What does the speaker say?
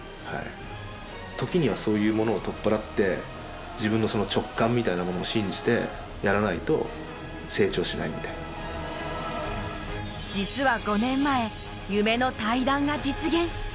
時にはそういうものを取っ払って、自分のその直感みたいなものを信じてやらないと、成長しないみた実は５年前、夢の対談が実現。